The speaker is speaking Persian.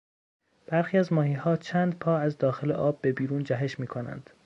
برخی از ماهیها چند پا از داخل آب به بیرون جهش میکنند.